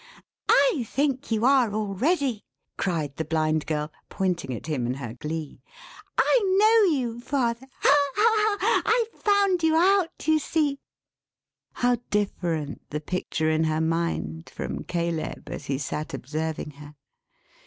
"I think you are, already," cried the Blind Girl, pointing at him, in her glee. "I know you father! Ha ha ha! I've found you out, you see!" How different the picture in her mind, from Caleb, as he sat observing her!